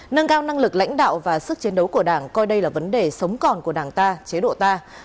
nâng cao năng lực lãnh đạo và sức chiến đấu của đảng coi đây là vấn đề sống còn của đảng ta chế độ ta